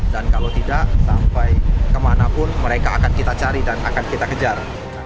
dan kalau tidak sampai kemanapun mereka akan kita cari dan akan kita kejar